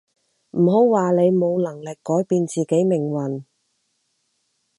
唔好話你冇能力改變自己命運